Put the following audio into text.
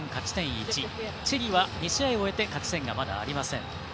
１チリは２試合終えて勝ち点がまだありません。